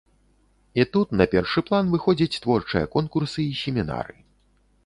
І тут на першы план выходзяць творчыя конкурсы і семінары.